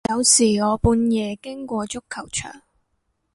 有時我半夜經過足球場